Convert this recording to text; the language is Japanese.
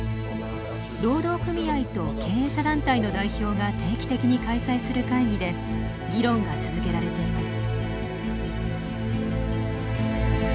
労働組合と経営者団体の代表が定期的に開催する会議で議論が続けられています。